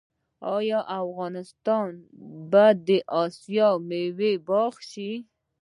آیا افغانستان به د اسیا د میوو باغ شي؟